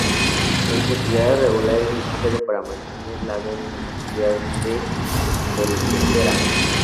El cepillado regular es necesario para mantener la densa capa de esteras.